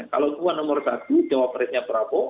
kalau puan nomor satu jawabannya prabowo